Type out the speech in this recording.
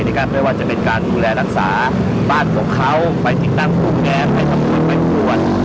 ไม่ว่าจะเป็นการดูแลรักษาบ้านของเขาไปสิ่งนั้นปรุงแรงให้ทำควรไม่ควร